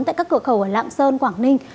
tại các cửa khẩu ở lạng sơn quảng ninh